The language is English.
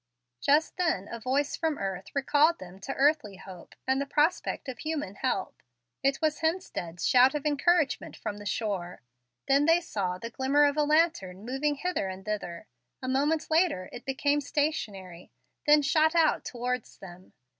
Just then a voice from earth recalled them to earthly hope and the prospect of human help. It was Hemstead's shout of encouragement from the shore. Then they saw the glimmer of a lantern moving hither and thither; a moment later it became stationary, then shot out towards them.